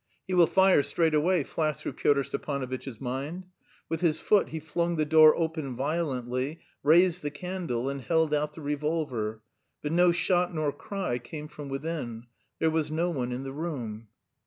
"He will fire straightway," flashed through Pyotr Stepanovitch's mind. With his foot he flung the door open violently, raised the candle, and held out the revolver; but no shot nor cry came from within.... There was no one in the room.